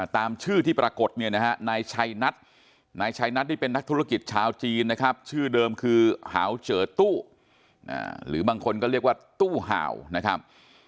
ตามชื่อที่ปรากฎในชัยนัตที่เป็นนักธุรกิจชาวจีนนะครับชื่อเดิมคือหาวเจ๋อตู้หรือบางคนก็เรียกว่าตู้ห่าวนะครับ